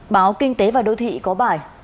báo kinh tế và đô thị có bài